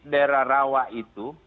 daerah rawa itu